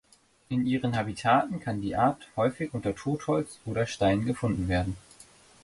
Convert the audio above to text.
In ihren Habitaten kann die Art häufig unter Totholz oder Steinen gefunden werden.